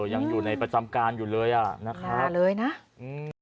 ยังอยู่ในประจำการอยู่เลยอ่ะนะคะอย่าเลยนะอืม